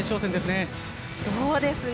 そうですね。